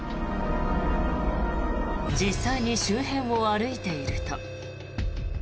実際に周辺を歩いていると。